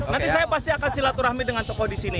nanti saya pasti akan silaturahmi dengan tokoh di sini